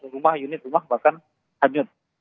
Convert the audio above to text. sembilan belas rumah unit rumah bahkan hanyut